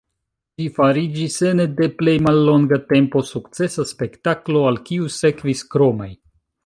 Ĝi fariĝis ene de plej mallonga tempo sukcesa spektaklo, al kiu sekvis kromaj.